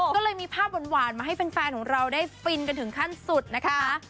ก็เลยมีภาพหวานมาให้แฟนของเราได้ฟินกันถึงขั้นสุดนะคะ